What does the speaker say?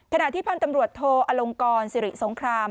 ที่พันธ์ตำรวจโทอลงกรสิริสงคราม